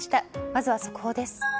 まずは速報です。